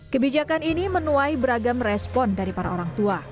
kebijakan ini menuai beragam respon dari para orang tua